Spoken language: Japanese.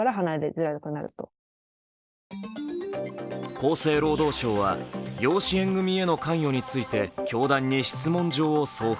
厚生労働省は養子縁組への関与について教団に質問状を送付。